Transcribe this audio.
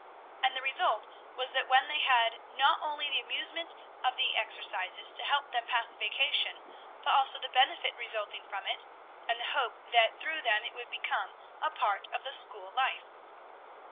And the result was that they had not only the amusement of the exercises to help them pass the vacation, but also the benefit resulting from it, and the hope that through them it would become a part of the school life.